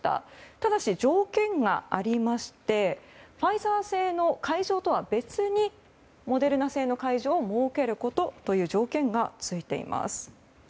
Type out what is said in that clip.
ただし条件がありましてファイザー製の会場とは別にモデルナ製の会場を設けることという条件が付いています。